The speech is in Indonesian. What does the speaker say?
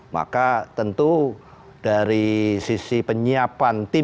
maka tentu dari sisi penyiapan tim